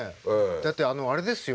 だってあのあれですよ。